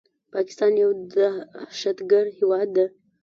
پاکستان يو دهشتګرد هيواد ده